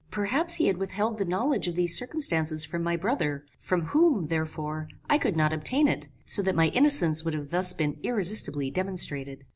Perhaps he had withheld the knowledge of these circumstances from my brother, from whom, therefore, I could not obtain it, so that my innocence would have thus been irresistibly demonstrated.